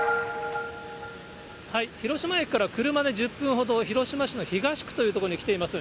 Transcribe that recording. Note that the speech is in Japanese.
広島駅から車で１０分ほど、広島市の東区というところに来ています。